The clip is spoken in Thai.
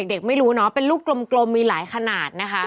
เด็กไม่รู้เนอะเป็นลูกกลมมีหลายขนาดนะคะ